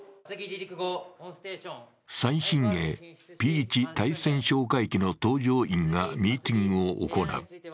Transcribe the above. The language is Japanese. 最新鋭Ｐ１対潜哨戒機の搭乗員がミーティングを行う。